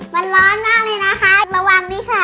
มันร้อนมากเลยนะคะระวังดีค่ะ